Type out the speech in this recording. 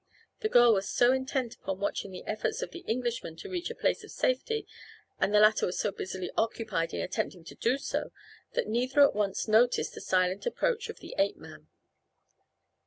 The girl was so intent upon watching the efforts of the Englishman to reach a place of safety, and the latter was so busily occupied in attempting to do so that neither at once noticed the silent approach of the ape man.